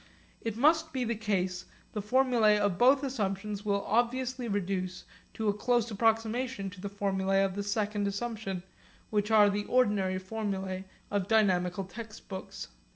If this be the case the formulae of both assumptions will obviously reduce to a close approximation to the formulae of the second assumption which are the ordinary formulae of dynamical textbooks.